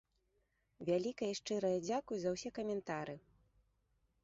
Вялікае і шчырае дзякуй за ўсе каментары.